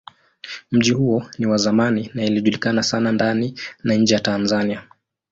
Mji huo ni wa zamani na ilijulikana sana ndani na nje ya Tanzania.